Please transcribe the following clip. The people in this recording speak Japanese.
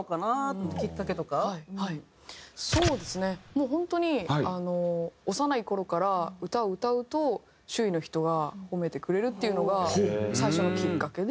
もう本当に幼い頃から歌を歌うと周囲の人が褒めてくれるっていうのが最初のきっかけで。